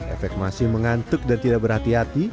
efek masih mengantuk dan tidak berhati hati